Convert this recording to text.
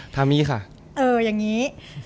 ทำนี่ค่ะเอออย่างนี้